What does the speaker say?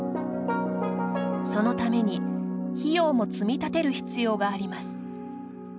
そのために、費用も積み立てる必要があります。